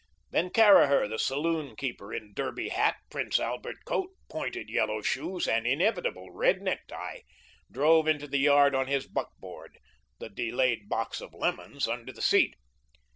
Then Caraher, the saloon keeper, in "derby" hat, "Prince Albert" coat, pointed yellow shoes and inevitable red necktie, drove into the yard on his buckboard, the delayed box of lemons under the seat.